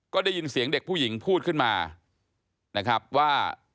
ก็ได้ยินเสียงเด็กผู้หญิงพูดขึ้นมานะครับว่า